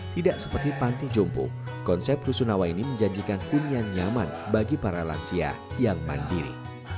tidak seperti panti jompo konsep rusunawa ini menjanjikan hunian nyaman bagi para lansia yang mandiri